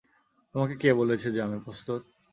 তোমায় কে বলেছে যে আমি প্রস্তুত?